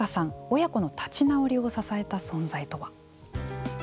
親子の立ち直りを支えた存在とは。